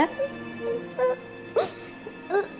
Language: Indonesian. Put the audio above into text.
insya allah ya